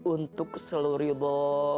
untuk selalu riba